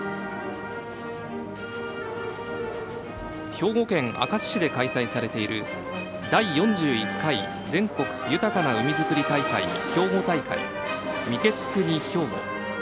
兵庫県明石市で開催されている「第４１回全国豊かな海づくり大会兵庫大会御食国ひょうご」。